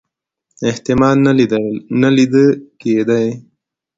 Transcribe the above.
احتمال نه لیده کېدی.